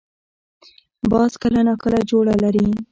باز کله نا کله جوړه لري